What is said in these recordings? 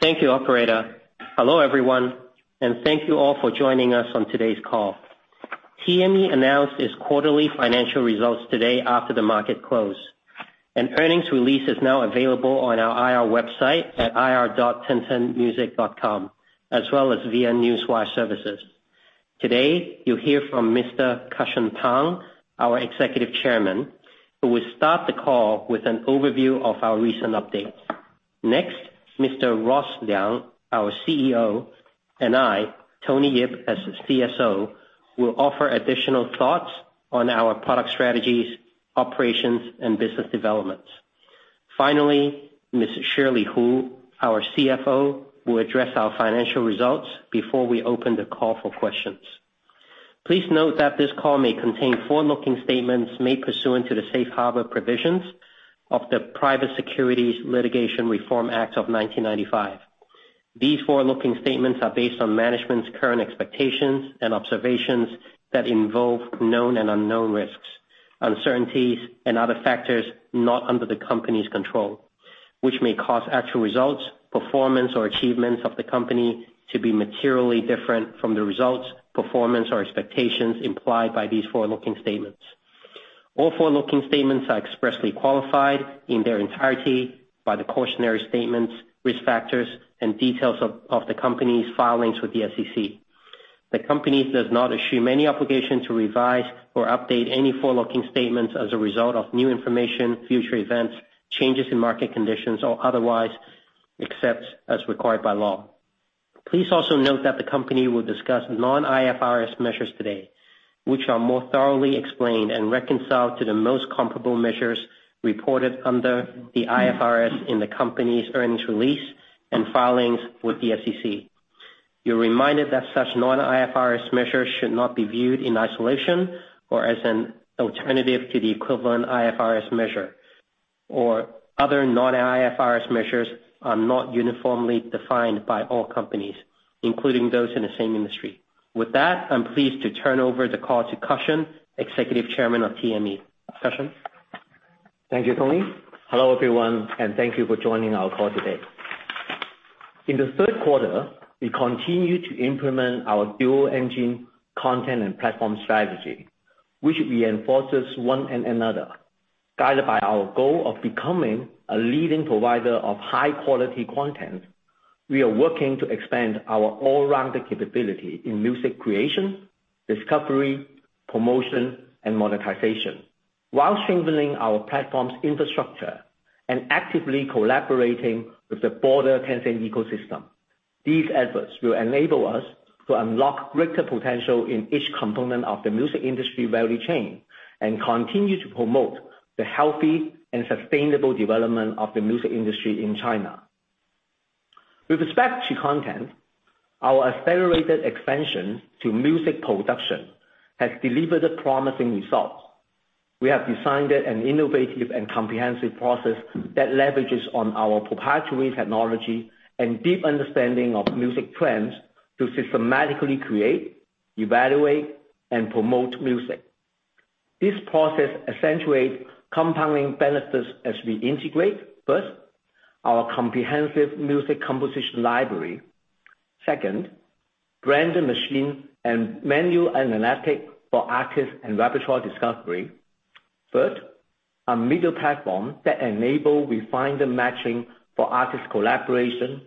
Thank you operator. Hello everyone, and thank you all for joining us on today's call. TME announced its quarterly financial results today after the market close. An earnings release is now available on our IR website at ir.tencentmusic.com as well as via Newswire services. Today you'll hear from Mr. Cussion Pang, our Executive Chairman, who will start the call with an overview of our recent updates. Next, Mr. Ross Liang, our CEO, and I, Tony Yip, as CSO, will offer additional thoughts on our product strategies, operations, and business developments. Finally, Miss Shirley Hu, our CFO, will address our financial results before we open the call for questions. Please note that this call may contain forward-looking statements made pursuant to the safe harbor provisions of the Private Securities Litigation Reform Act of 1995. These forward-looking statements are based on management's current expectations and observations that involve known and unknown risks, uncertainties, and other factors not under the company's control, which may cause actual results, performance, or achievements of the company to be materially different from the results, performance or expectations implied by these forward-looking statements. All forward-looking statements are expressly qualified in their entirety by the cautionary statements, risk factors, and details of the company's filings with the SEC. The company does not assume any obligation to revise or update any forward-looking statements as a result of new information, future events, changes in market conditions or otherwise, except as required by law. Please also note that the company will discuss non-IFRS measures today, which are more thoroughly explained and reconciled to the most comparable measures reported under the IFRS in the company's earnings release and filings with the SEC. You're reminded that such non-IFRS measures should not be viewed in isolation or as an alternative to the equivalent IFRS measure. Other non-IFRS measures are not uniformly defined by all companies, including those in the same industry. With that, I'm pleased to turn over the call to Cussion Pang, Executive Chairman of TME. Cussion Pang. Thank you, Tony. Hello everyone and thank you for joining our call today. In the third quarter, we continued to implement our dual engine content and platform strategy, which reinforces one another. Guided by our goal of becoming a leading provider of high-quality content, we are working to expand our all-rounded capability in music creation, discovery, promotion, and monetization while strengthening our platform's infrastructure and actively collaborating with the broader Tencent ecosystem. These efforts will enable us to unlock greater potential in each component of the music industry value chain and continue to promote the healthy and sustainable development of the music industry in China. With respect to content, our accelerated expansion to music production has delivered promising results. We have designed an innovative and comprehensive process that leverages on our proprietary technology and deep understanding of music trends to systematically create, evaluate, and promote music. This process accentuates compounding benefits as we integrate, first, our comprehensive music composition library. Second, branded machine and manual analytics for artist and repertoire discovery. Third, a middleware platform that enable refined matching for artist collaboration.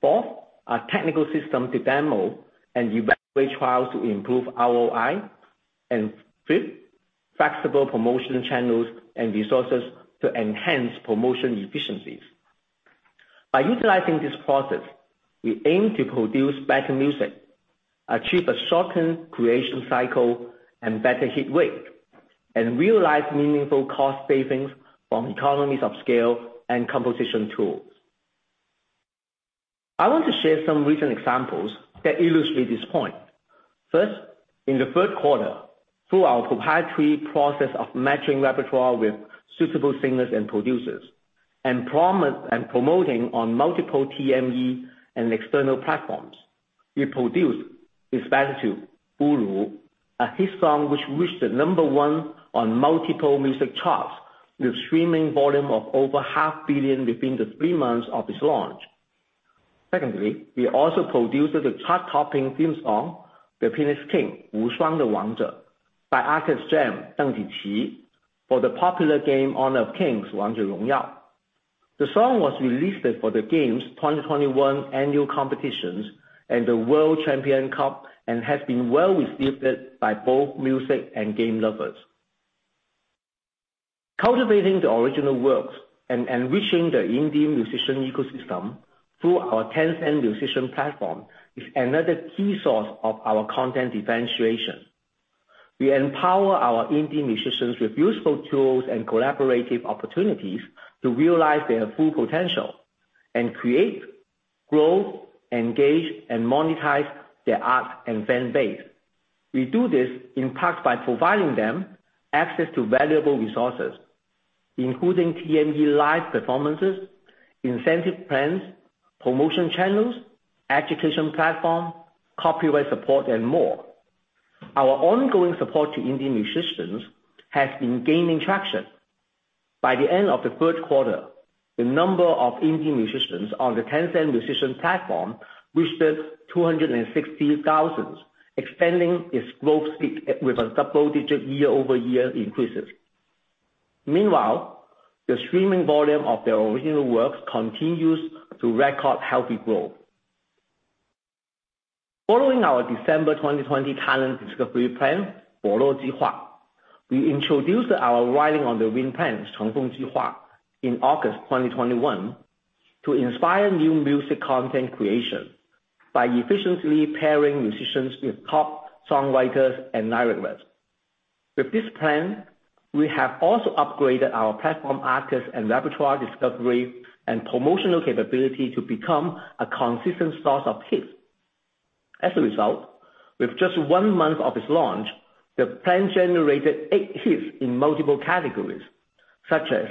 Fourth, a technical system to demo and evaluate trials to improve ROI. Fifth, flexible promotion channels and resources to enhance promotion efficiencies. By utilizing this process, we aim to produce better music, achieve a shortened creation cycle and better hit rate, and realize meaningful cost savings from economies of scale and composition tools. I want to share some recent examples that illustrate this point. First, in the third quarter, through our proprietary process of matching repertoire with suitable singers and producers, and producing and promoting on multiple TME and external platforms, we produced this banger tune, Uru, a hit song which reached the number one on multiple music charts with streaming volume of over 500 million within the 3 months of its launch. Secondly, we also produced the chart-topping theme song, Wu Shuang De Wang Zhe, by G.E.M., Deng Ziqi, for the popular game Honor of Kings: Wangzhe Rongyao. The song was released for the game's 2021 annual competitions and the World Championship, and has been well received by both music and game lovers. Cultivating the original works and reaching the indie musician ecosystem through our Tencent Musician Program is another key source of our content differentiation. We empower our indie musicians with useful tools and collaborative opportunities to realize their full potential and create, grow, engage, and monetize their art and fan base. We do this in part by providing them access to valuable resources, including TME Live performances, incentive plans, promotion channels, education platform, copyright support and more. Our ongoing support to indie musicians has been gaining traction. By the end of the third quarter, the number of indie musicians on the Tencent Music platform reached 260,000, expanding its growth speed with a double-digit year-over-year increases. Meanwhile, the streaming volume of their original works continues to record healthy growth. Following our December 2020 talent discovery plan, we introduced our Riding on the Wind Plan, in August 2021, to inspire new music content creation by efficiently pairing musicians with top songwriters and lyricists. With this plan, we have also upgraded our platform artists and repertoire discovery and promotional capability to become a consistent source of hits. As a result, with just one month of its launch, the plan generated eight hits in multiple categories, such as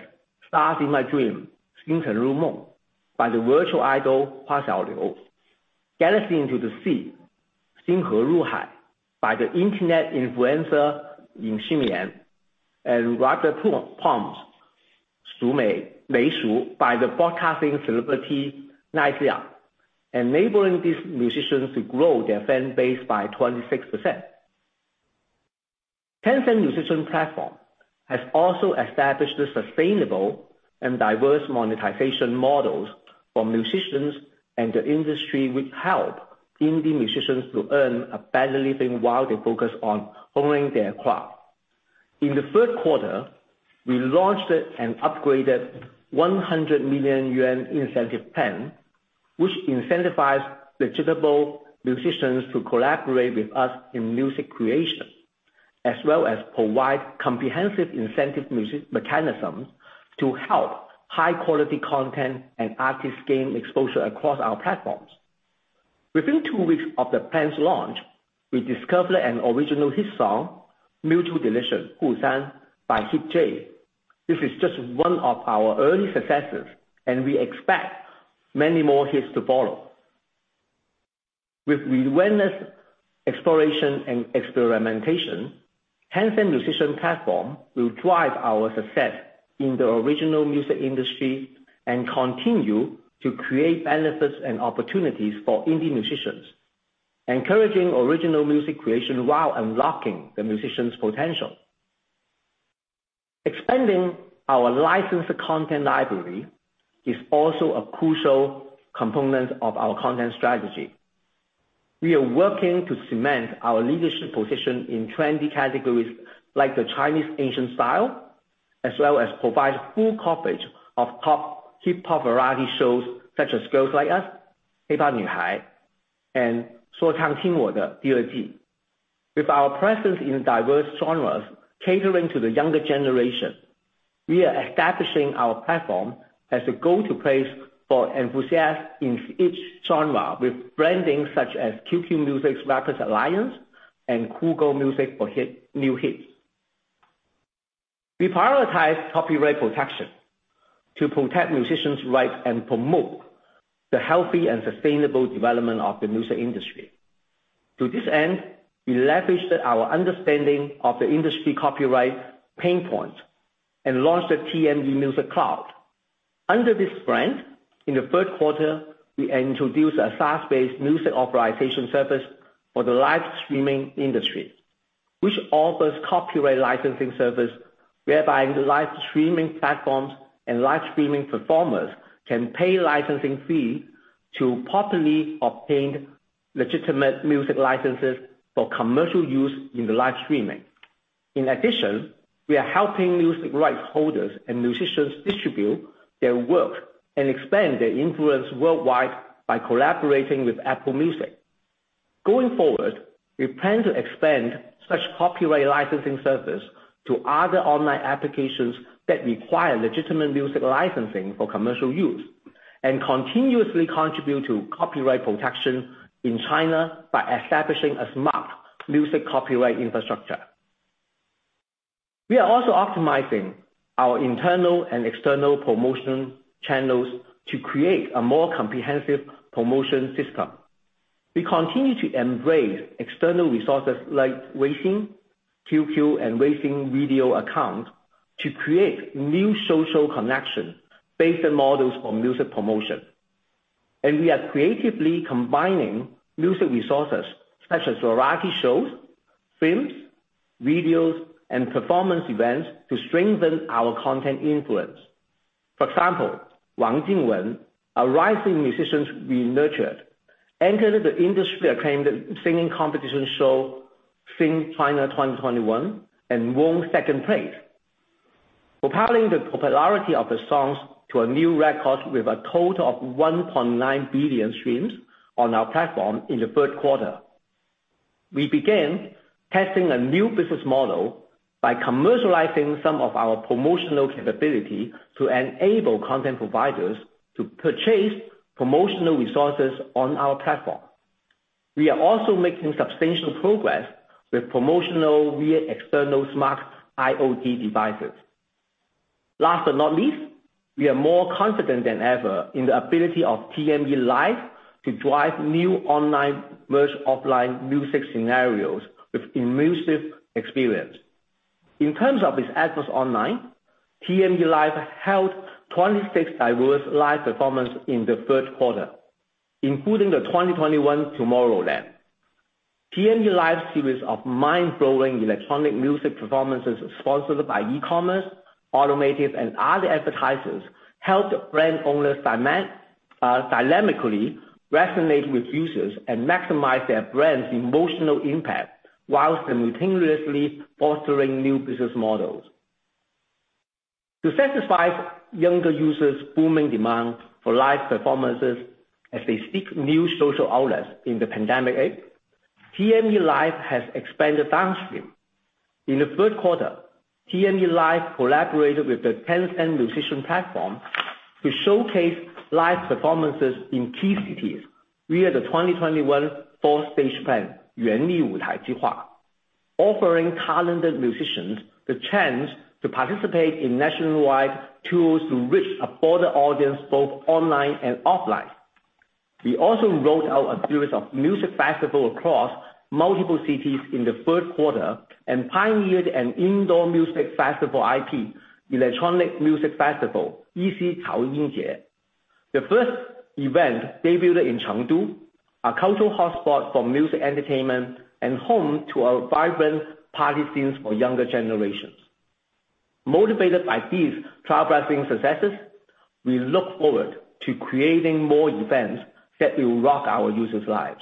Stars in My Dream by the virtual idol, Hua Xiaoliu. Galaxy into the Sea by the internet influencer, Lin Ximian, and Rubber Palms by the broadcasting celebrity, Nice Xu, enabling these musicians to grow their fan base by 26%. Tencent Musician Platform has also established the sustainable and diverse monetization models for musicians and the industry, which help indie musicians to earn a better living while they focus on honing their craft. In the third quarter, we launched an upgraded 100 million yuan incentive plan, which incentivizes eligible musicians to collaborate with us in music creation, as well as provide comprehensive incentive music mechanisms to help high-quality content and artists gain exposure across our platforms. Within two weeks of the plan's launch, we discovered an original hit song, Mutual Deletion, by Hip-J. This is just one of our early successes, and we expect many more hits to follow. With relentless exploration and experimentation, Tencent Musician Platform will drive our success in the original music industry and continue to create benefits and opportunities for indie musicians, encouraging original music creation while unlocking the musicians' potential. Expanding our licensed content library is also a crucial component of our content strategy. We are working to cement our leadership position in trendy categories like the Chinese ancient style, as well as provide full coverage of top hip-hop variety shows such as Girls Like Us. With our presence in diverse genres catering to the younger generation, we are establishing our platform as a go-to place for enthusiasts in each genre with branding such as QQMusic's Rapper Alliance and Kugou Music for Hit New Hits. We prioritize copyright protection to protect musicians' rights and promote the healthy and sustainable development of the music industry. To this end, we leveraged our understanding of the industry copyright pain points and launched the TME Music Cloud. Under this brand, in the third quarter, we introduced a SaaS-based music authorization service for the live streaming industry, which offers copyright licensing service, whereby the live streaming platforms and live streaming performers can pay licensing fees to properly obtain legitimate music licenses for commercial use in the live streaming. In addition, we are helping music rights holders and musicians distribute their work and expand their influence worldwide by collaborating with Apple Music. Going forward, we plan to expand such copyright licensing service to other online applications that require legitimate music licensing for commercial use and continuously contribute to copyright protection in China by establishing a smart music copyright infrastructure. We are also optimizing our internal and external promotion channels to create a more comprehensive promotion system. We continue to embrace external resources like WeSing, QQ, and WeChat video accounts to create new social connection-based models for music promotion. We are creatively combining music resources such as variety shows, films, videos, and performance events to strengthen our content influence. For example, Wang Jingwen, a rising musician we nurtured, entered the industry-acclaimed singing competition show, Sing! China 2021, and won second place, propelling the popularity of the songs to a new record with a total of 1.9 billion streams on our platform in the third quarter. We began testing a new business model by commercializing some of our promotional capability to enable content providers to purchase promotional resources on our platform. We are also making substantial progress with promotional via external smart IoT devices. Last but not least, we are more confident than ever in the ability of TME Live to drive new online merge offline music scenarios with immersive experience. In terms of its efforts online, TME Live held 26 diverse live performances in the third quarter, including the 2021 Tomorrowland. TME Live series of mind-blowing electronic music performances sponsored by e-commerce, automotive, and other advertisers helped brand owners dynamically resonate with users and maximize their brand's emotional impact while simultaneously fostering new business models. To satisfy younger users' booming demand for live performances as they seek new social outlets in the pandemic age, TME Live has expanded downstream. In the third quarter, TME Live collaborated with the Tencent Musician Program to showcase live performances in key cities via the 2021 Four Stage Plan, offering talented musicians the chance to participate in nationwide tours to reach a broader audience, both online and offline. We also rolled out a series of music festivals across multiple cities in the third quarter and pioneered an indoor electronic music festival IP, EC. The first event debuted in Chengdu, a cultural hotspot for music entertainment and home to our vibrant party scenes for younger generations. Motivated by these trailblazing successes, we look forward to creating more events that will rock our users' lives.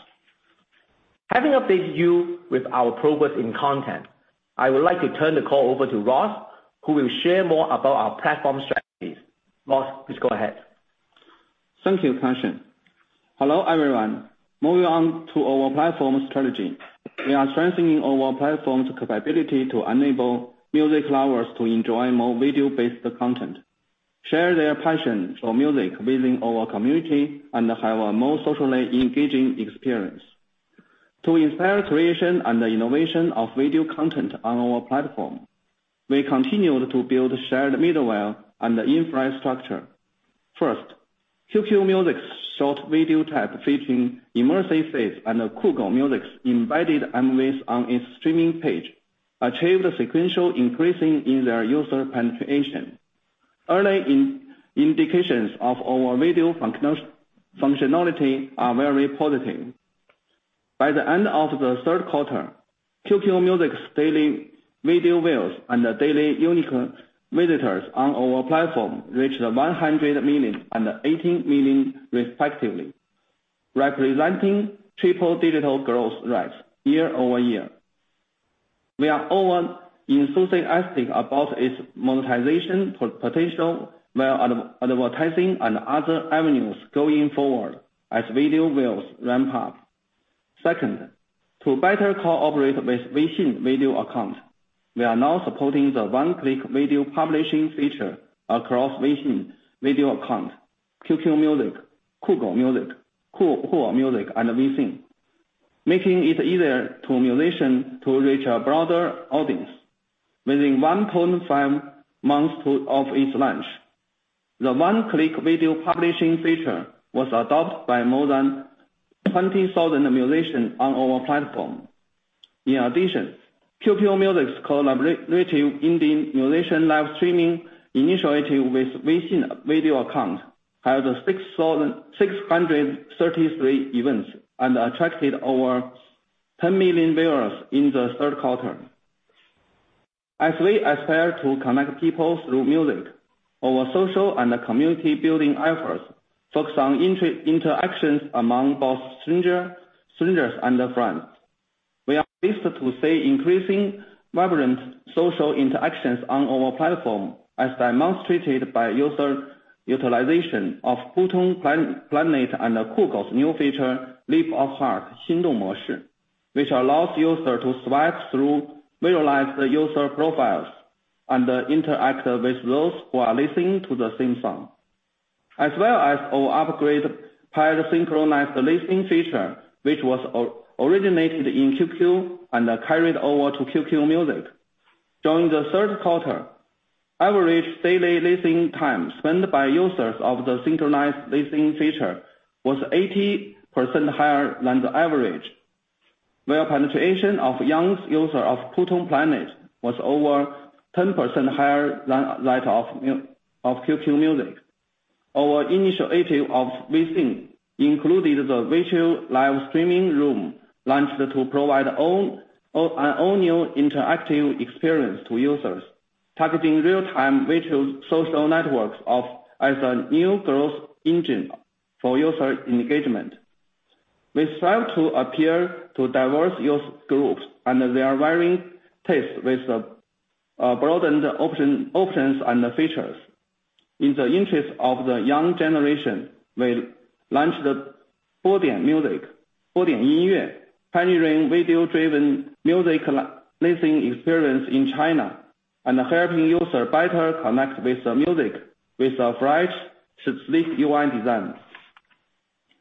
Having updated you with our progress in content, I would like to turn the call over to Ross, who will share more about our platform strategies. Ross, please go ahead. Thank you, Cussion Pang. Hello, everyone. Moving on to our platform strategy. We are strengthening our platform's capability to enable music lovers to enjoy more video-based content, share their passion for music within our community, and have a more socially engaging experience. To inspire creation and the innovation of video content on our platform, we continued to build shared middleware and infrastructure. First, QQMusic's short video tab featuring immersive feeds and Kugou Music's embedded movies on its streaming page achieved a sequential increasing in their user penetration. Early indications of our video functionality are very positive. By the end of the third quarter, QQMusic's daily video views and the daily unique visitors on our platform reached 100 million and 18 million respectively, representing triple-digit growth rates year-over-year. We are all enthusiastic about its monetization potential via advertising and other avenues going forward as video views ramp up. Second, to better cooperate with WeChat Video Account, we are now supporting the one-click video publishing feature across WeChat Video Account, QQMusic, Kugou Music, Kuwo Music, and WeChat, making it easier for a musician to reach a broader audience. Within 1.5 months of its launch, the one-click video publishing feature was adopted by more than 20,000 musicians on our platform. In addition, QQMusic's collaborative indie musician live streaming initiative with WeChat Video Account had 6,633 events and attracted over 10 million viewers in the third quarter. As we aspire to connect people through music, our social and community building efforts focus on interactions among both strangers and friends. We are pleased to see increasing vibrant social interactions on our platform, as demonstrated by user utilization of Putong Planet and Kugou's new feature, Leap of Heart, which allows user to swipe through visualized user profiles and interact with those who are listening to the same song. As well as our upgraded parallel synchronized listening feature, which was originated in QQ and carried over to QQMusic. During the third quarter, average daily listening time spent by users of the synchronized listening feature was 80% higher than the average, where penetration of young user of Putong Planet was over 10% higher than that of QQMusic. Our initiative of WeChat included the virtual live streaming room launched to provide an all-new interactive experience to users, targeting real-time virtual social networks as a new growth engine for user engagement. We strive to appeal to diverse youth groups and their varying tastes with broadened options and features. In the interest of the young generation, we launched Budian Music, pioneering video-driven music listening experience in China and helping user better connect with the music with a fresh, sleek UI design.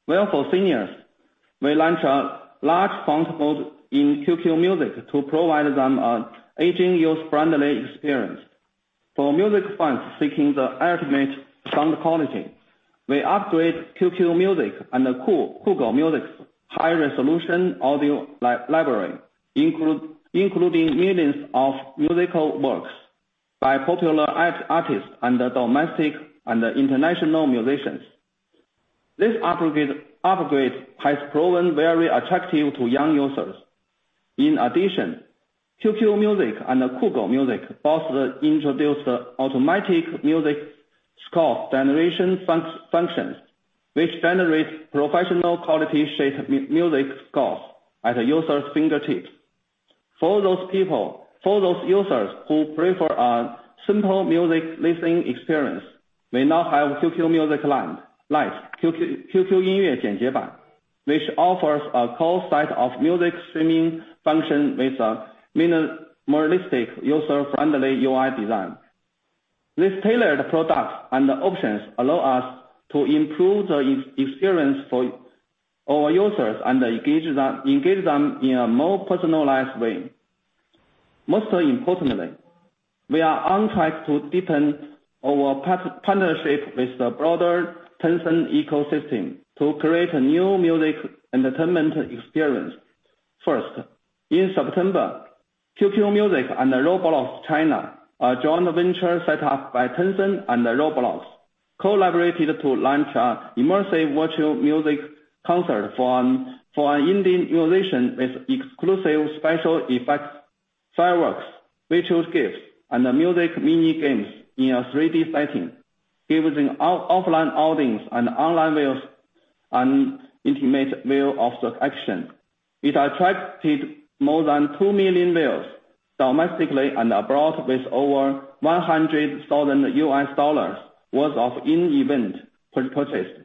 Well, for seniors, we launched a large font mode in QQMusic to provide them an aging user-friendly experience. For music fans seeking the ultimate sound quality, we upgrade QQMusic and the Kugou Music high-resolution audio library, including millions of musical works by popular artists and domestic and international musicians. This upgrade has proven very attractive to young users. In addition, QQMusic and Kugou Music both introduced the automatic music score generation functions, which generates professional quality sheet music scores at a user's fingertips. For those users who prefer a simple music listening experience may now have QQMusic Lite, which offers a full suite of music streaming functions with a minimalistic user-friendly UI design. These tailored products and options allow us to improve the experience for our users and engage them in a more personalized way. Most importantly, we are on track to deepen our partnership with the broader Tencent ecosystem to create a new music entertainment experience. First, in September, QQMusic and Roblox China, a joint venture set up by Tencent and Roblox, collaborated to launch an immersive virtual music concert for an Indian musician with exclusive special effects, fireworks, virtual gifts, and music mini-games in a 3D setting, giving offline audience and online viewers an intimate view of the action. It attracted more than 2 million viewers domestically and abroad, with over $100,000 worth of in-event purchases,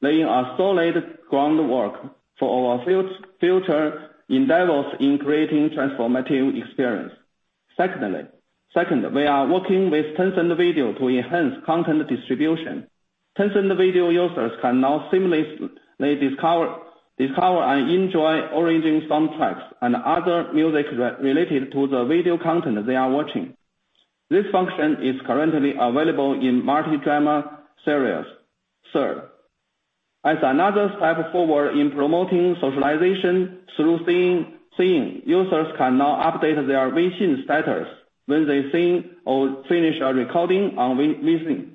laying a solid groundwork for our future endeavors in creating transformative experience. Second, we are working with Tencent Video to enhance content distribution. Tencent Video users can now seamlessly discover and enjoy original soundtracks and other music related to the video content they are watching. This function is currently available in multiple drama series. Third, as another step forward in promoting socialization through singing, users can now update their WeSing status when they sing or finish a recording on WeSing,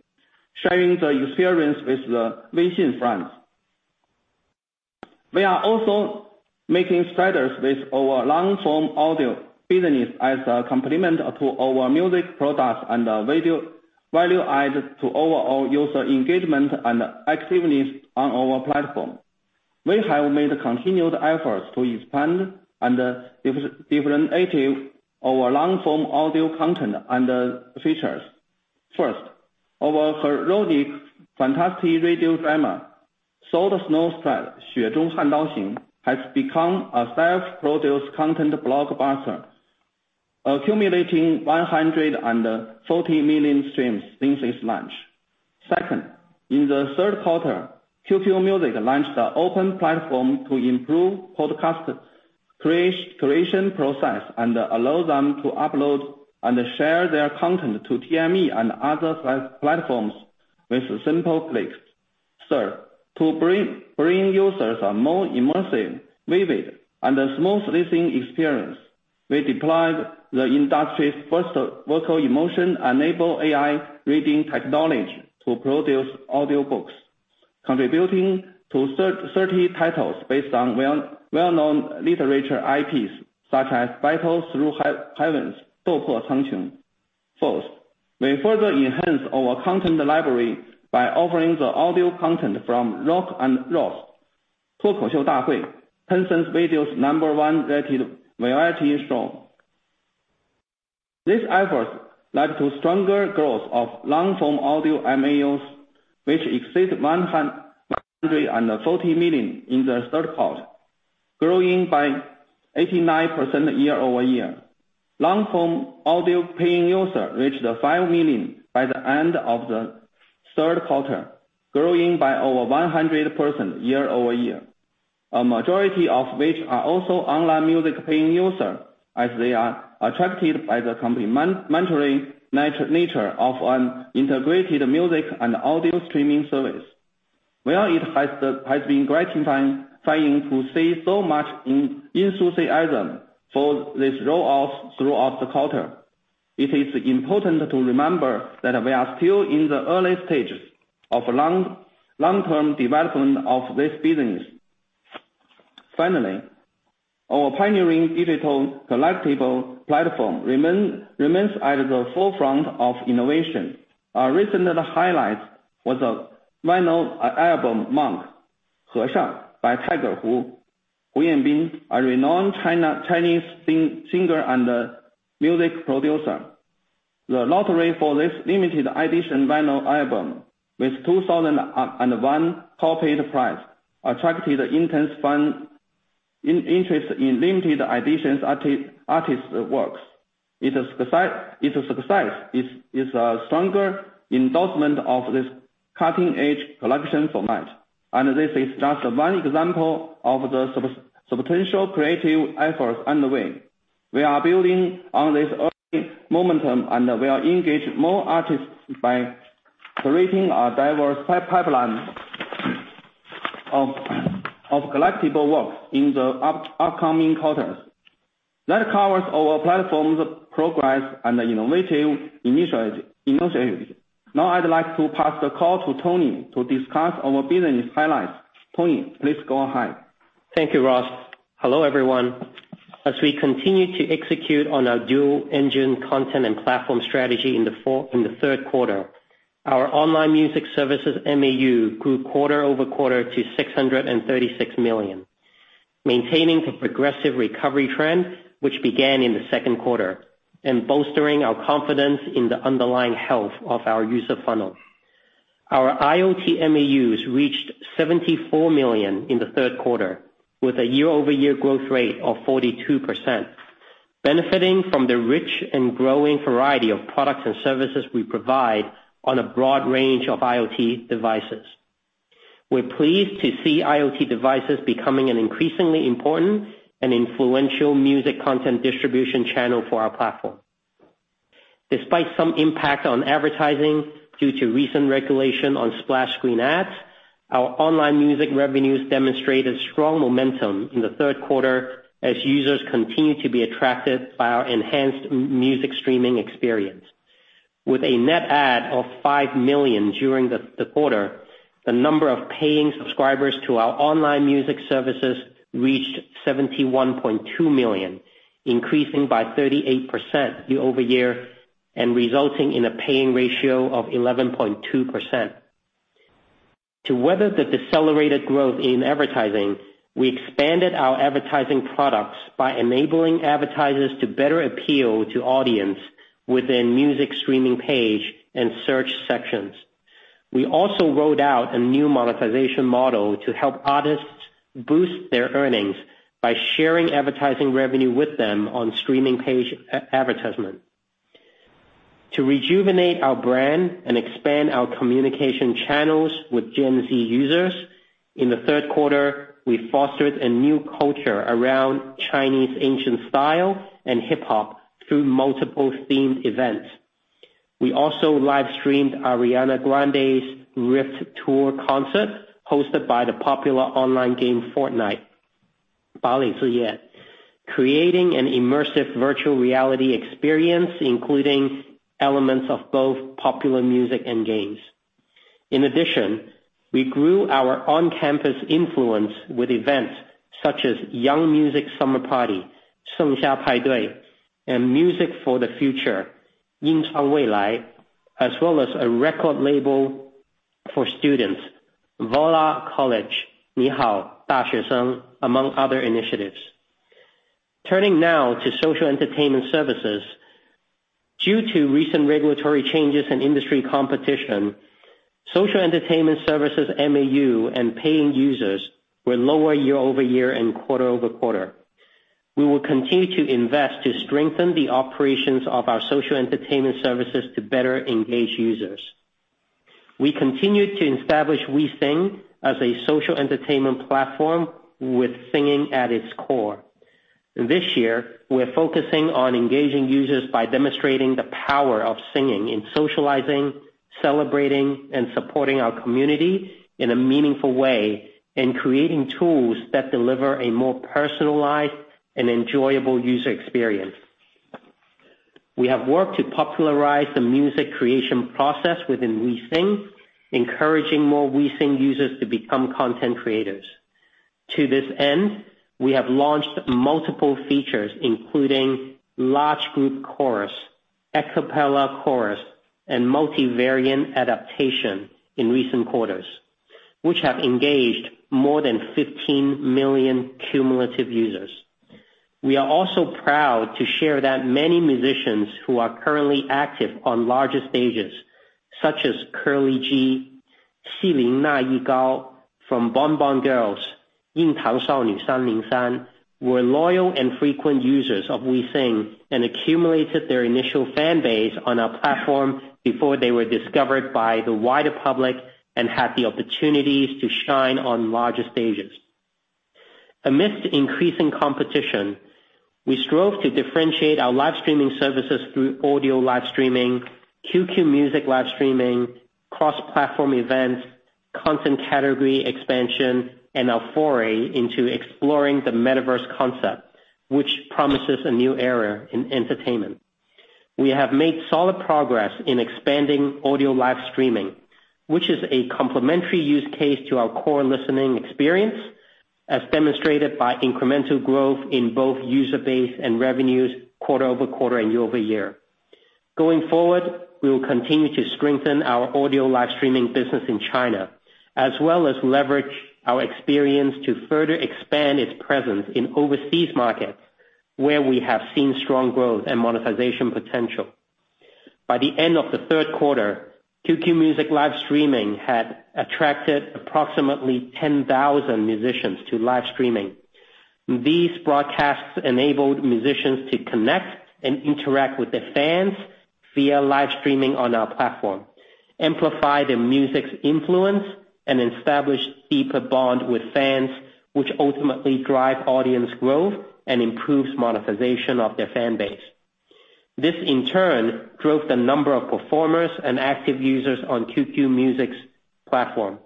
sharing the experience with the WeSing friends. We are also making strides with our long-form audio business as a complement to our music products and value add to overall user engagement and activeness on our platform. We have made continued efforts to expand and differentiate our long-form audio content and features. First, our heroic fantasy radio drama, Sword Snow Stride, has become a self-produced content blockbuster, accumulating 140 million streams since its launch. Second, in the third quarter, QQMusic launched an open platform to improve podcast creation process and allow them to upload and share their content to TME and other platforms with simple clicks. Third, to bring users a more immersive, vivid, and a smooth listening experience, we deployed the industry's first vocal emotion-enabled AI reading technology to produce audiobooks, contributing to 30 titles based on well-known literature IPs such as Battle Through the Heavens. Fourth, we further enhanced our content library by offering the audio content from Rock and Roast, Tencent Video's number one-rated variety show. These efforts led to stronger growth of long-form audio MAUs, which exceeded 140 million in the third quarter, growing by 89% year-over-year. Long-form audio paying users reached 5 million by the end of the third quarter, growing by over 100% year-over-year. A majority of which are also online music paying users, as they are attracted by the complementary nature of an integrated music and audio streaming service. It has been gratifying to see so much enthusiasm for this roll out throughout the quarter. It is important to remember that we are still in the early stages of long-term development of this business. Finally, our pioneering digital collectible platform remains at the forefront of innovation. Our recent highlight was a vinyl album, Monk, by Tiger Hu Yanbin, a renowned Chinese singer and a music producer. The lottery for this limited edition vinyl album, with 2,001 copies the price, attracted intense fan interest in limited editions artist works. It's a success, a stronger endorsement of this cutting-edge collection format, and this is just one example of the substantial creative efforts underway. We are building on this early momentum, and we are engaging more artists by creating a diverse pipeline of collectible works in the upcoming quarters. That covers our platform's progress and innovative initiatives. Now I'd like to pass the call to Tony to discuss our business highlights. Tony, please go ahead. Thank you, Ross. Hello, everyone. As we continue to execute on our dual engine content and platform strategy in the third quarter, our online music services MAU grew quarter-over-quarter to 636 million, maintaining the progressive recovery trend which began in the second quarter and bolstering our confidence in the underlying health of our user funnel. Our IoT MAUs reached 74 million in the third quarter with a year-over-year growth rate of 42%, benefiting from the rich and growing variety of products and services we provide on a broad range of IoT devices. We're pleased to see IoT devices becoming an increasingly important and influential music content distribution channel for our platform. Despite some impact on advertising due to recent regulation on splash screen ads, our online music revenues demonstrated strong momentum in the third quarter as users continued to be attracted by our enhanced music streaming experience. With a net add of 5 million during the quarter, the number of paying subscribers to our online music services reached 71.2 million, increasing by 38% year over year and resulting in a paying ratio of 11.2%. To weather the decelerated growth in advertising, we expanded our advertising products by enabling advertisers to better appeal to audience within music streaming page and search sections. We also rolled out a new monetization model to help artists boost their earnings by sharing advertising revenue with them on streaming page advertisement. To rejuvenate our brand and expand our communication channels with Gen Z users, in the third quarter, we fostered a new culture around Chinese ancient style and hip-hop through multiple themed events. We also live-streamed Ariana Grande's Rift Tour concert, hosted by the popular online game Fortnite, creating an immersive virtual reality experience, including elements of both popular music and games. In addition, we grew our on-campus influence with events such as Young Music Summer Party, and Music for the Future, as well as a record label for students, Vocal College, among other initiatives. Turning now to social entertainment services. Due to recent regulatory changes in industry competition, social entertainment services MAU and paying users were lower year over year and quarter over quarter. We will continue to invest to strengthen the operations of our social entertainment services to better engage users. We continue to establish WeSing as a social entertainment platform with singing at its core. This year, we're focusing on engaging users by demonstrating the power of singing and socializing, celebrating, and supporting our community in a meaningful way, and creating tools that deliver a more personalized and enjoyable user experience. We have worked to popularize the music creation process within WeSing, encouraging more WeSing users to become content creators. To this end, we have launched multiple features, including large group chorus, a cappella chorus, and multivariant adaptation in recent quarters, which have engaged more than 15 million cumulative users. We are also proud to share that many musicians who are currently active on larger stages, such as Curly G from BonBon Girls 303, were loyal and frequent users of WeSing and accumulated their initial fan base on our platform before they were discovered by the wider public and had the opportunities to shine on larger stages. Amidst increasing competition, we strove to differentiate our live streaming services through audio live streaming, QQMusic live streaming, cross-platform events, content category expansion, and our foray into exploring the metaverse concept, which promises a new era in entertainment. We have made solid progress in expanding audio live streaming, which is a complementary use case to our core listening experience, as demonstrated by incremental growth in both user base and revenues quarter over quarter and year over year. Going forward, we will continue to strengthen our audio live streaming business in China, as well as leverage our experience to further expand its presence in overseas markets where we have seen strong growth and monetization potential. By the end of the third quarter, QQMusic live streaming had attracted approximately 10,000 musicians to live streaming. These broadcasts enabled musicians to connect and interact with their fans via live streaming on our platform, amplify their music's influence, and establish deeper bond with fans, which ultimately drive audience growth and improves monetization of their fan base. This, in turn, drove the number of performers and active users on QQMusic's platform.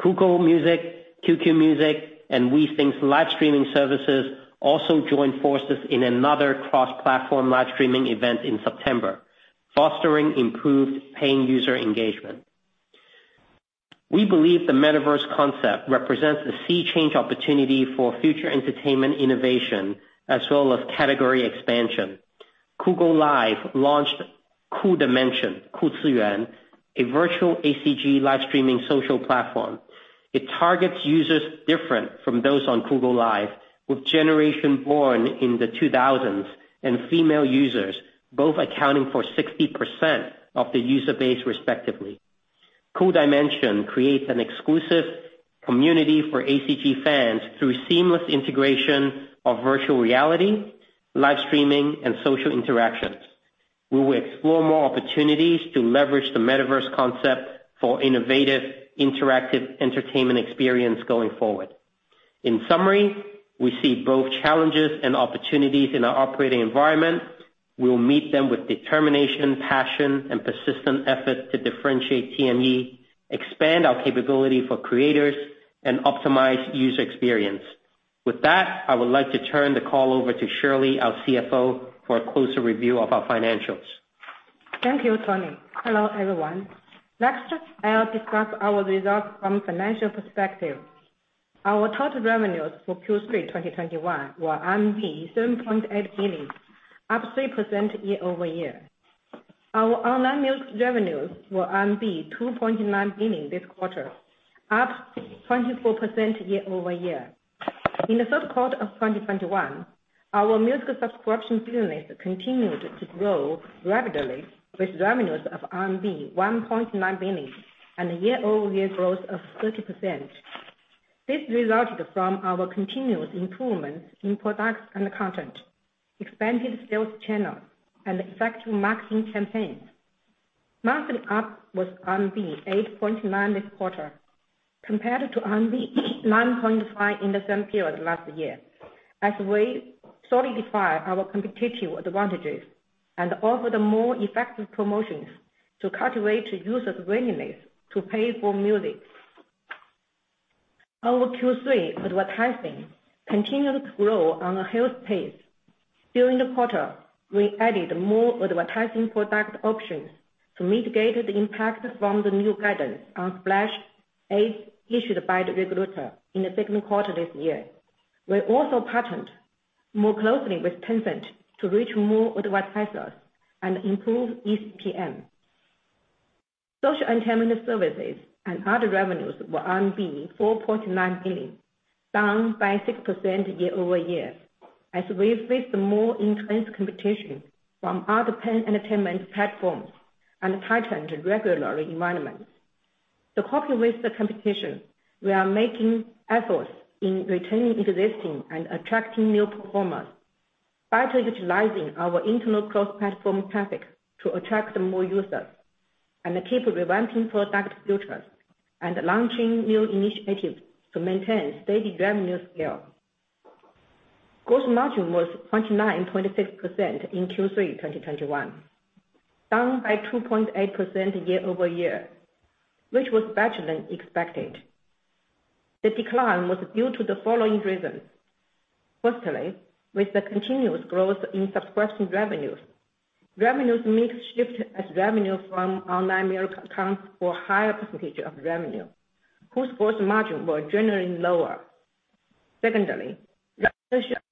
Kugou Music, QQMusic, and WeSing's live streaming services also joined forces in another cross-platform live streaming event in September, fostering improved paying user engagement. We believe the Metaverse concept represents a sea change opportunity for future entertainment innovation as well as category expansion. Kugou Live launched Cool Dimension, a virtual ACG live streaming social platform. It targets users different from those on Kugou Live, with generation born in the 2000s and female users, both accounting for 60% of the user base respectively. Cool Dimension creates an exclusive community for ACG fans through seamless integration of virtual reality, live streaming, and social interactions. We will explore more opportunities to leverage the Metaverse concept for innovative interactive entertainment experience going forward. In summary, we see both challenges and opportunities in our operating environment. We will meet them with determination, passion, and persistent effort to differentiate TME, expand our capability for creators, and optimize user experience. With that, I would like to turn the call over to Shirley, our CFO, for a closer review of our financials. Thank you, Tony. Hello, everyone. Next, I'll discuss our results from financial perspective. Our total revenues for Q3 2021 were RMB 7.8 billion, up 3% year-over-year. Our online music revenues were 2.9 billion this quarter, up 24% year-over-year. In the third quarter of 2021, our music subscription business continued to grow rapidly, with revenues of RMB 1.9 billion and a year-over-year growth of 30%. This resulted from our continuous improvements in products and content, expanded sales channel, and effective marketing campaigns. Monthly ARPU was RMB 8.9 this quarter compared to RMB 9.5 in the same period last year, as we solidify our competitive advantages and offered more effective promotions to cultivate users' willingness to pay for music. Our Q3 advertising continued to grow on a healthy pace. During the quarter, we added more advertising product options to mitigate the impact from the new guidance on cash-based issued by the regulator in the second quarter this year. We also partnered more closely with Tencent to reach more advertisers and improve eCPM. Social entertainment services and other revenues were 4.9 billion, down by 6% year-over-year as we face more intense competition from other paying entertainment platforms and tightened regulatory environments. To cope with the competition, we are making efforts in retaining existing and attracting new performers by utilizing our internal cross-platform traffic to attract more users and keep reinventing product features and launching new initiatives to maintain steady revenue scale. Gross margin was 96% in Q3 2021, down by 2.8% year-over-year, which was better than expected. The decline was due to the following reasons. Firstly, with the continuous growth in subscription revenues may shift as revenue from online music accounts for a higher percentage of revenue, whose gross margin were generally lower. Secondly,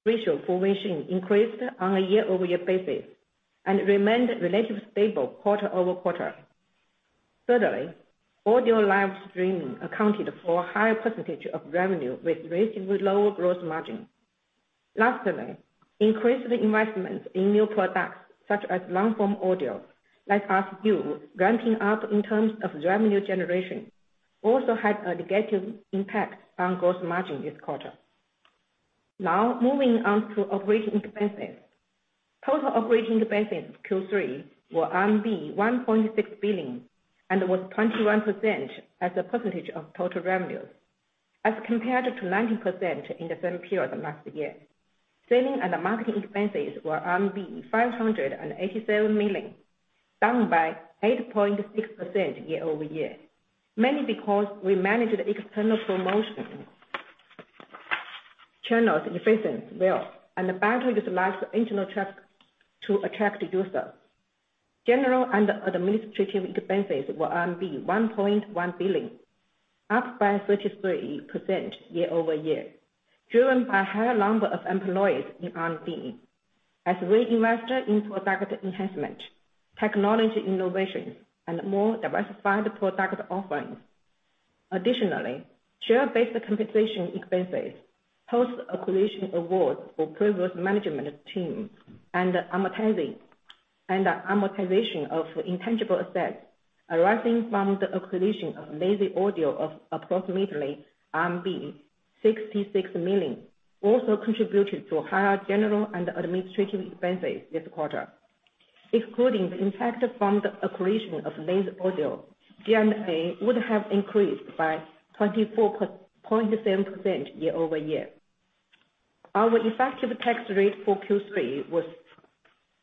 ratio for WeSing increased on a year-over-year basis and remained relatively stable quarter-over-quarter. Thirdly, audio live streaming accounted for a higher percentage of revenue with relatively lower gross margin. Lastly, increased investments in new products such as long-form audio, like Ask U, ramping up in terms of revenue generation also had a negative impact on gross margin this quarter. Now, moving on to operating expenses. Total operating expenses Q3 were RMB 1.6 billion, and was 21% as a percentage of total revenues as compared to 19% in the same period last year. Selling and marketing expenses were 587 million, down by 8.6% year-over-year, mainly because we managed the external promotion channels efficient well and better utilized internal traffic to attract users. General and administrative expenses were RMB 1.1 billion, up by 33% year-over-year, driven by higher number of employees in R&D as we invested in product enhancement, technology innovations, and more diversified product offerings. Additionally, share-based compensation expenses, post-acquisition awards for previous management team and amortization of intangible assets arising from the acquisition of Lazy Audio of approximately RMB 66 million also contributed to higher general and administrative expenses this quarter. Excluding the impact from the acquisition of Lazy Audio, G&A would have increased by 24.7% year-over-year. Our effective tax rate for Q3 was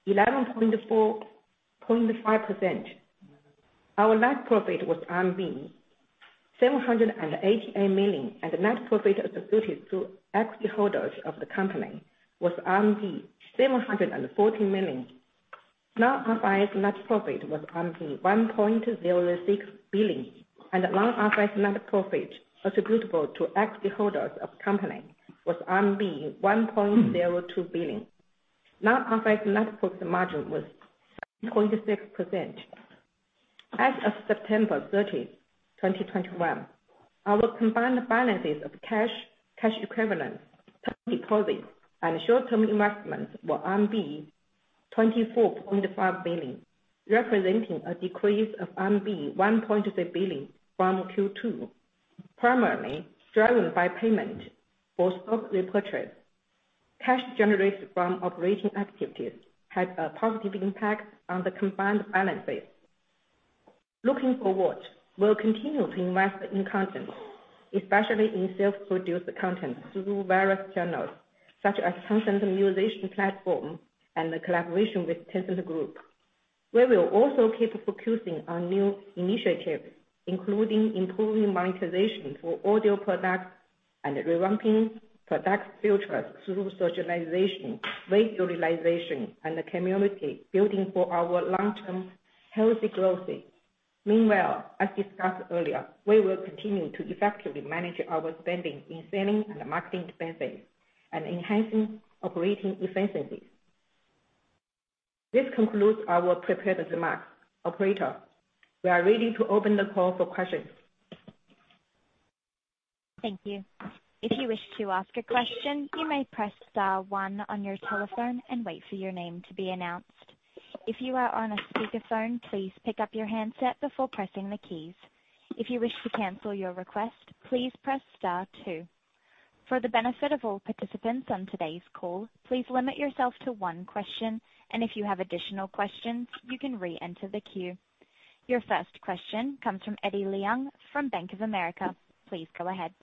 11.5%. Our net profit was RMB 788 million, and net profit attributed to equity holders of the company was RMB 740 million. Non-IFRS net profit was RMB 1.06 billion, and non-IFRS net profit attributable to equity holders of the company was RMB 1.02 billion. Non-IFRS net profit margin was 26%. As of September 30, 2021, our combined balances of cash equivalents, term deposits, and short-term investments were RMB 24.5 billion, representing a decrease of RMB 1.6 billion from Q2, primarily driven by payment for stock repurchase. Cash generated from operating activities had a positive impact on the combined balances. Looking forward, we'll continue to invest in content, especially in self-produced content through various channels, such as Tencent's musician platform and the collaboration with Tencent Group. We will also keep focusing on new initiatives, including improving monetization for audio products and revamping product features through socialization, visualization, and community building for our long-term healthy growth. Meanwhile, as discussed earlier, we will continue to effectively manage our spending in selling and marketing expenses and enhancing operating efficiencies. This concludes our prepared remarks. Operator, we are ready to open the call for questions. Thank you. If you wish to ask a question, you may press star one on your telephone and wait for your name to be announced. If you are on a speakerphone, please pick up your handset before pressing the keys. If you wish to cancel your request, please press star two. For the benefit of all participants on today's call, please limit yourself to one question, and if you have additional questions, you can re-enter the queue. Your first question comes from Eddie Leung from Bank of America. Please go ahead.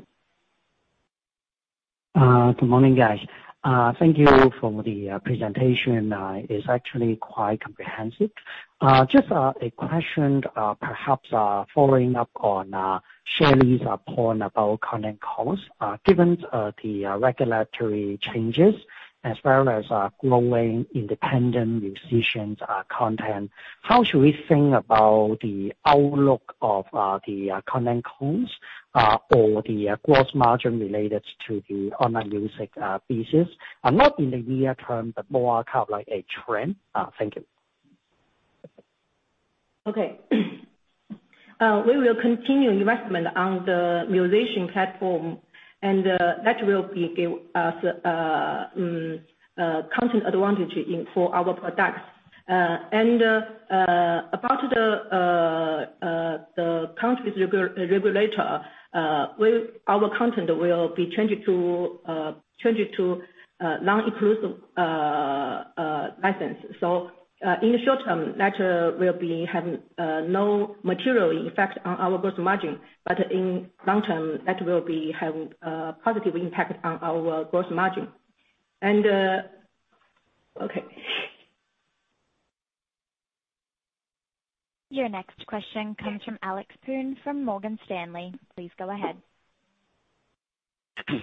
Good morning, guys. Thank you for the presentation. It's actually quite comprehensive. Just a question, perhaps following up on Shirley's point about content costs. Given the regulatory changes as well as growing independent musicians content, how should we think about the outlook of the content costs or the gross margin related to the online music business? Not in the near term, but more kind of like a trend. Thank you. We will continue investment on the musician platform, and that will give us content advantage in for our products. About the country's regulator, our content will be changed to non-exclusive license. In the short term, that will be having no material effect on our gross margin. In long term, that will be having a positive impact on our gross margin. Your next question comes from Alex Poon from Morgan Stanley. Please go ahead. Hi,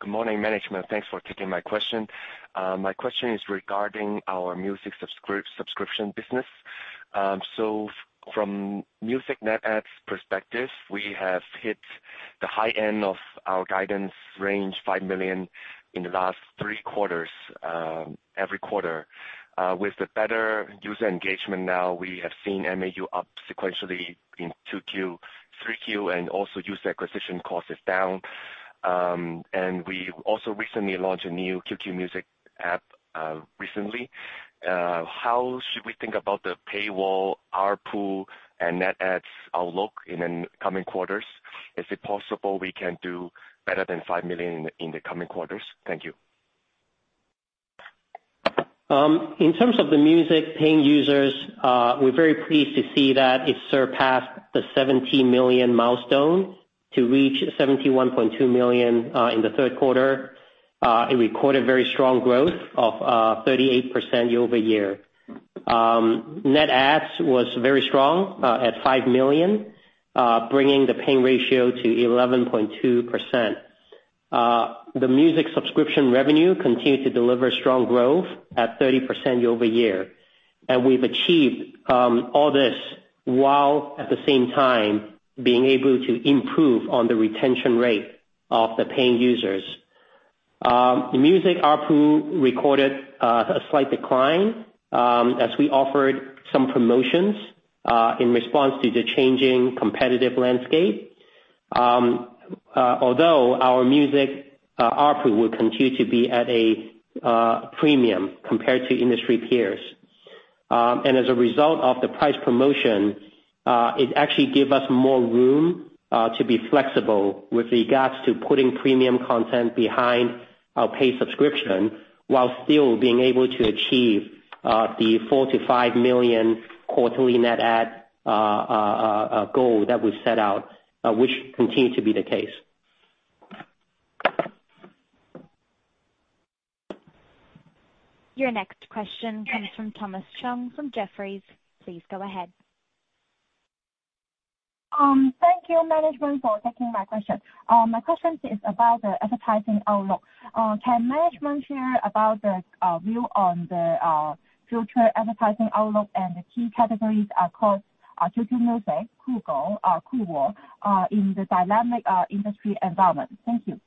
good morning, management. Thanks for taking my question. My question is regarding our music subscription business. From music net adds perspective, we have hit the high end of our guidance range, 5 million, in the last three quarters, every quarter. With the better user engagement now, we have seen MAU up sequentially in 2Q, 3Q, and also user acquisition cost is down. We also recently launched a new QQMusic app recently. How should we think about the paywall, ARPU, and net adds outlook in the coming quarters? Is it possible we can do better than 5 million in the coming quarters? Thank you. In terms of the music paying users, we're very pleased to see that it surpassed the 70 million milestone to reach 71.2 million in the third quarter. It recorded very strong growth of 38% year-over-year. Net adds was very strong at 5 million, bringing the paying ratio to 11.2%. The music subscription revenue continued to deliver strong growth at 30% year-over-year. We've achieved all this while, at the same time, being able to improve on the retention rate of the paying users. The music ARPU recorded a slight decline as we offered some promotions in response to the changing competitive landscape. Although our music ARPU will continue to be at a premium compared to industry peers. As a result of the price promotion, it actually give us more room to be flexible with regards to putting premium content behind our paid subscription while still being able to achieve the 4-5 million quarterly net add goal that we've set out, which continue to be the case. Your next question comes from Thomas Chong from Jefferies. Please go ahead. Thank you, management, for taking my question. My question is about the advertising outlook. Can management share about the view on the future advertising outlook and the key categories across QQMusic, Kugou, Kuwo, in the dynamic industry environment? Thank you.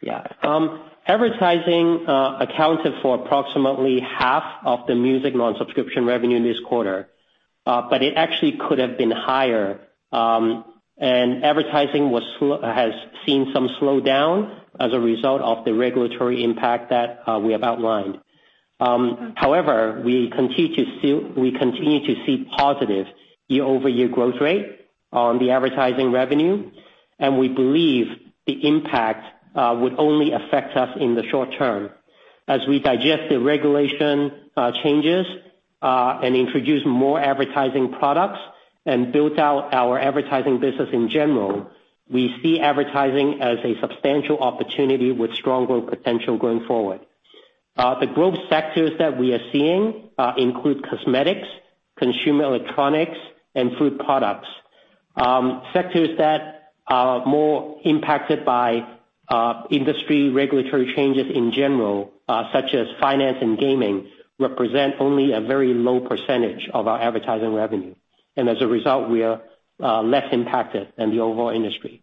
Yeah. Advertising accounted for approximately half of the music non-subscription revenue this quarter, but it actually could have been higher. Advertising has seen some slowdown as a result of the regulatory impact that we have outlined. However, we continue to see positive year-over-year growth rate on the advertising revenue, and we believe the impact would only affect us in the short term. As we digest the regulation changes, and introduce more advertising products and build out our advertising business in general, we see advertising as a substantial opportunity with strong growth potential going forward. The growth sectors that we are seeing include cosmetics, consumer electronics, and food products. Sectors that are more impacted by industry regulatory changes in general, such as finance and gaming, represent only a very low percentage of our advertising revenue. As a result, we are less impacted than the overall industry.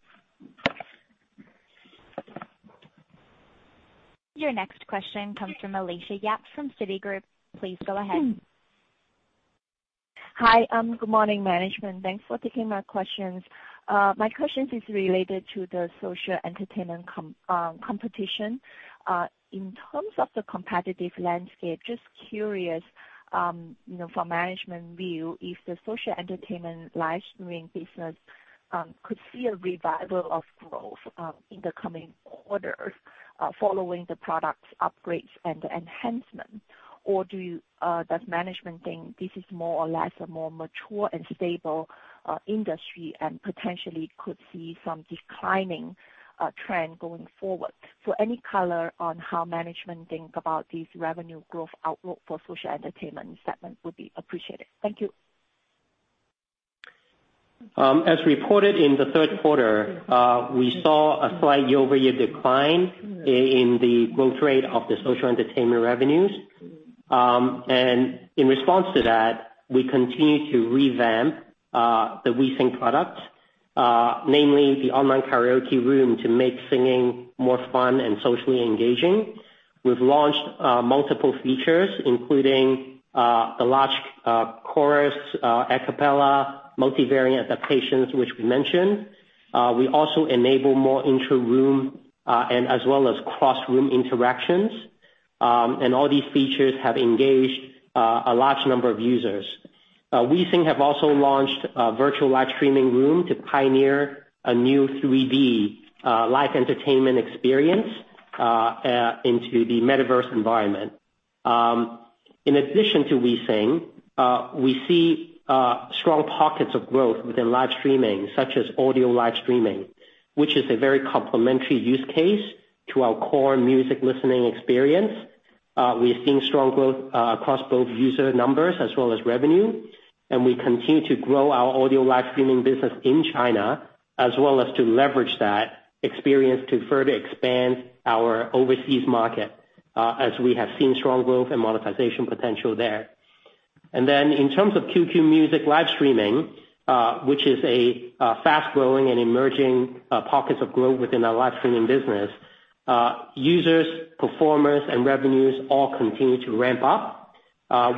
Your next question comes from Alicia Yap from Citigroup. Please go ahead. Hi. Good morning, management. Thanks for taking my questions. My questions is related to the social entertainment competition. In terms of the competitive landscape, just curious, you know, from management view, if the social entertainment live streaming business could see a revival of growth in the coming quarters following the product's upgrades and enhancement? Does management think this is more or less a more mature and stable industry and potentially could see some declining trend going forward? Any color on how management think about this revenue growth outlook for Social Entertainment segment would be appreciated. Thank you. As reported in the third quarter, we saw a slight year-over-year decline in the growth rate of the social entertainment revenues. In response to that, we continue to revamp the WeSing product, namely the online karaoke room, to make singing more fun and socially engaging. We've launched multiple features, including a large chorus a cappella multi-variant adaptations, which we mentioned. We also enable more intra-room and as well as cross-room interactions. All these features have engaged a large number of users. WeSing have also launched a virtual live streaming room to pioneer a new 3D live entertainment experience into the Metaverse environment. In addition to WeSing, we see strong pockets of growth within live streaming, such as audio live streaming, which is a very complementary use case to our core music listening experience. We are seeing strong growth across both user numbers as well as revenue, and we continue to grow our audio live streaming business in China, as well as to leverage that experience to further expand our overseas market, as we have seen strong growth and monetization potential there. Then in terms of QQMusic live streaming, which is a fast-growing and emerging pockets of growth within our live streaming business, users, performers, and revenues all continue to ramp up,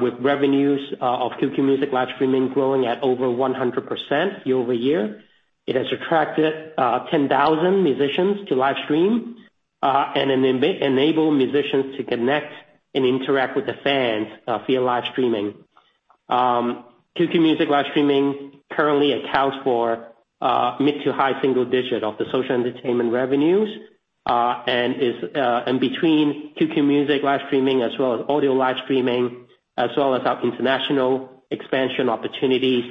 with revenues of QQMusic live streaming growing at over 100% year-over-year. It has attracted 10,000 musicians to live stream and enable musicians to connect and interact with the fans via live streaming. QQMusic live streaming currently accounts for mid- to high single-digit % of the social entertainment revenues, and between QQMusic live streaming, as well as audio live streaming, as well as our international expansion opportunities,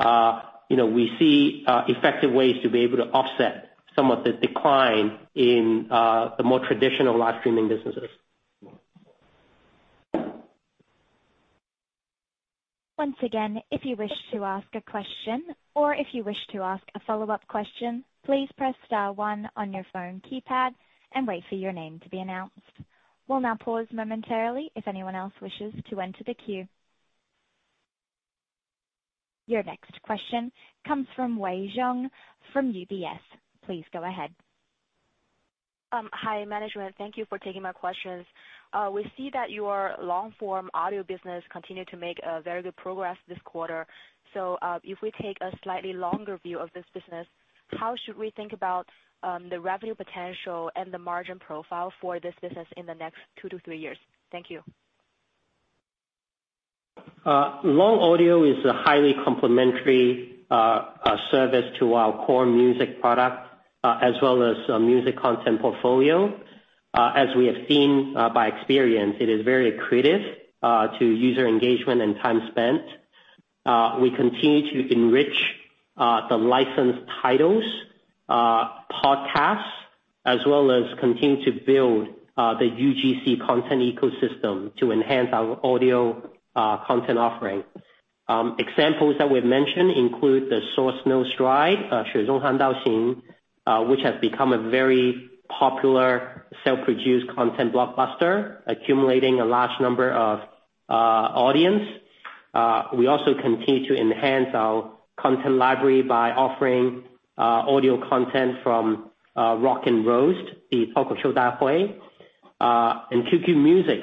you know, we see effective ways to be able to offset some of the decline in the more traditional live streaming businesses. Once again, if you wish to ask a question or if you wish to ask a follow-up question, please press star one on your phone keypad and wait for your name to be announced. We'll now pause momentarily if anyone else wishes to enter the queue. Your next question comes from Wei Xiong from UBS. Please go ahead. Hi management. Thank you for taking my questions. We see that your long form audio business continued to make very good progress this quarter. If we take a slightly longer view of this business, how should we think about the revenue potential and the margin profile for this business in the next two to three years? Thank you. Long Audio is a highly complementary service to our core music product as well as our music content portfolio. As we have seen by experience, it is very accretive to user engagement and time spent. We continue to enrich the licensed titles, podcasts, as well as continue to build the UGC content ecosystem to enhance our audio content offering. Examples that we've mentioned include the Sword Snow Stride, which has become a very popular self-produced content blockbuster, accumulating a large number of audience. We also continue to enhance our content library by offering audio content from Rock & Roast. QQMusic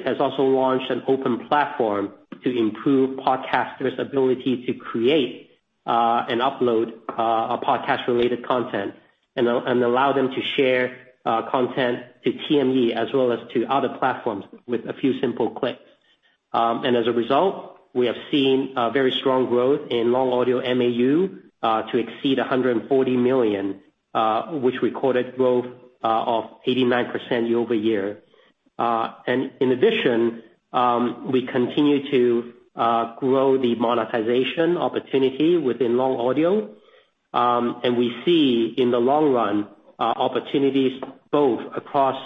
has also launched an open platform to improve podcasters' ability to create and upload podcast-related content and allow them to share content to TME, as well as to other platforms with a few simple clicks. As a result, we have seen very strong growth in Long Audio MAU to exceed 140 million, which recorded growth of 89% year-over-year. In addition, we continue to grow the monetization opportunity within Long Audio. We see in the long run opportunities both across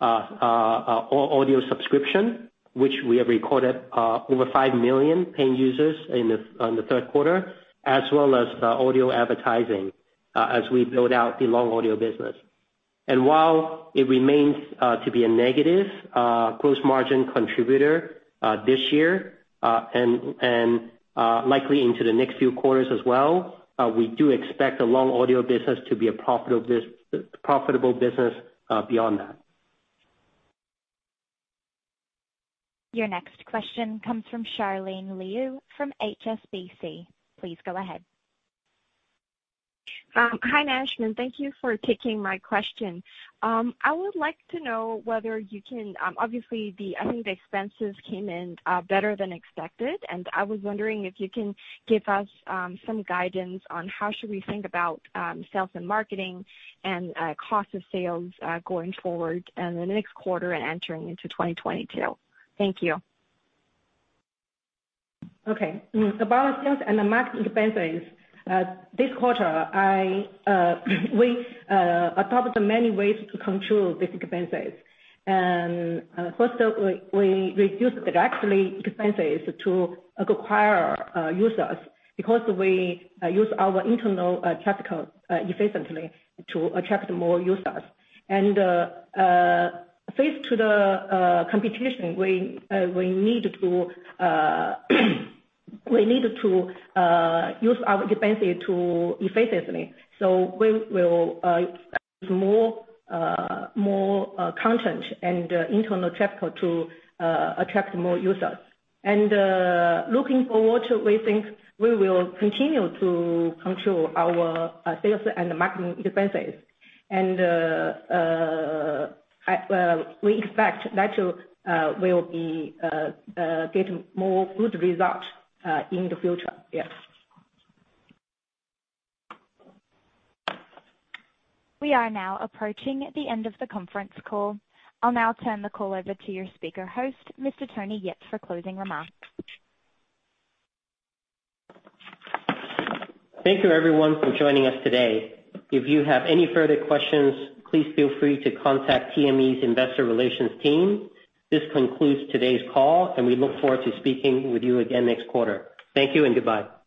audio subscription, which we have recorded over 5 million paying users in the third quarter, as well as audio advertising, as we build out the Long Audio business. While it remains to be a negative gross margin contributor this year and likely into the next few quarters as well, we do expect the Lazy Audio business to be a profitable business beyond that. Your next question comes from Charlene Liu from HSBC. Please go ahead. Hi management. Thank you for taking my question. Obviously, I think the expenses came in better than expected, and I was wondering if you can give us some guidance on how should we think about sales and marketing and cost of sales going forward in the next quarter and entering into 2022. Thank you. About sales and marketing expenses this quarter, we adopted many ways to control these expenses. First, we reduced direct expenses to acquire users because we use our internal traffic efficiently to attract more users. Facing the competition, we need to use our expenses effectively. We will use more content and internal traffic to attract more users. Looking forward, we think we will continue to control our sales and marketing expenses. We expect that to get more good results in the future. Yes. We are now approaching the end of the conference call. I'll now turn the call over to your speaker host, Mr. Tony Yip, for closing remarks. Thank you everyone for joining us today. If you have any further questions, please feel free to contact TME's Investor Relations team. This concludes today's call, and we look forward to speaking with you again next quarter. Thank you and goodbye.